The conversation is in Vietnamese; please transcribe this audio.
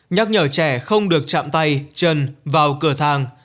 nhắc nhở trẻ không được chạm tay chân vào cửa hàng